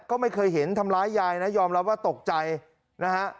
ก็ไม่เคยเห็นทำร้ายยายนะยอมรับว่าตกใจนะฮะ